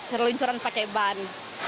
seluncuran pakai ban